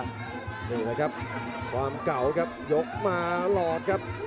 นี่แหละครับความเก่าครับยกมาหลอกครับ